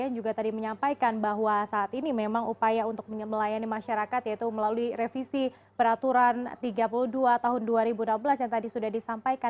yang juga tadi menyampaikan bahwa saat ini memang upaya untuk melayani masyarakat yaitu melalui revisi peraturan tiga puluh dua tahun dua ribu enam belas yang tadi sudah disampaikan